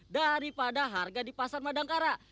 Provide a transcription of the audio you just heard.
daripada harga di pasar madangkara